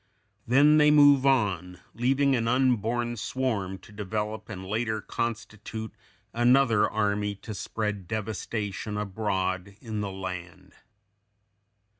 Then they move on, leaving an unborn swarm to develop and later constitute another army to spread devastation abroad in the land.